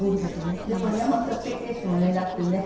でもね本当素敵ですもんねだってね。